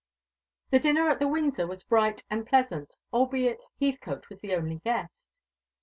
The dinner at the Windsor was bright and pleasant, albeit Heathcote was the only guest.